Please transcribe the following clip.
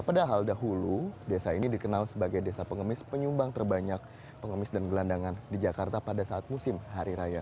padahal dahulu desa ini dikenal sebagai desa pengemis penyumbang terbanyak pengemis dan gelandangan di jakarta pada saat musim hari raya